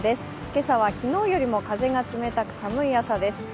今朝は昨日よりも風が冷たく寒い朝です。